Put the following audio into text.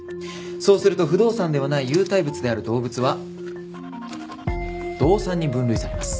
そうすると不動産ではない有体物である動物は動産に分類されます。